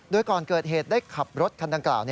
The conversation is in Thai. โดยก่อนเกิดเหตุได้ขับรถคันดังกล่าว